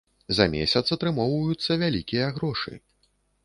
За месяц атрымоўваюцца вялікія грошы.